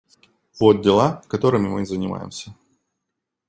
Вот дела, которыми мы занимаемся.